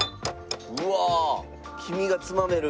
うわ黄身がつまめる。